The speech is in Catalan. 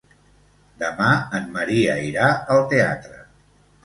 Demà en Maria irà al teatre.